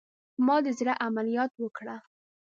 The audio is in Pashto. ما د زړه عملیات وکړه